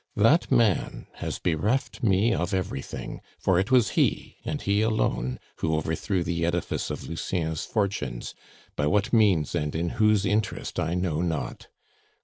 That man has bereft me of everything; for it was he, and he alone, who overthrew the edifice of Lucien's fortunes, by what means and in whose interest I know not.